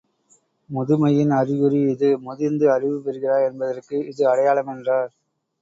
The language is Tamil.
முதுமையின் அறிகுறி இது முதிர்ந்து அறிவு பெறுகிறாய் என்பதற்கு இது அடையாளம் என்றார்.